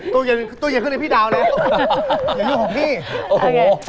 ตัวเย็นขึ้นในพี่ดาวเนี่ย